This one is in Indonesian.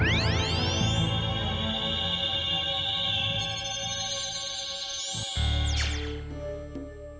jadi itu namaku